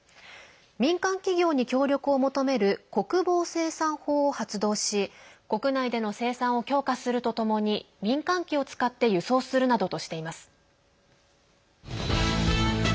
民間企業に協力を求める国防生産法を発動し国内での生産を強化するとともに民間機を使って輸送するなどとしています。